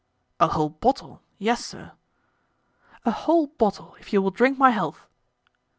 "A whole bottle? Yes, sir." "A whole bottle, if you will drink my health."